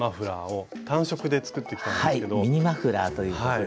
はいミニマフラーということで。